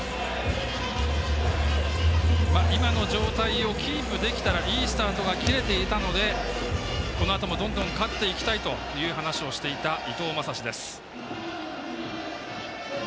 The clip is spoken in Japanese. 今の状態をキープできたらいいスタートが切れていたのでこのあともどんどん勝っていきたいという話をしていた伊藤将司です。